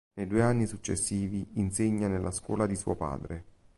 Nei due anni successivi insegna nella scuola di suo padre.